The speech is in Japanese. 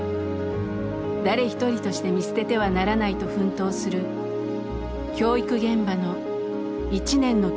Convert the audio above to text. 誰一人として見捨ててはならないと奮闘する教育現場の１年の記録です。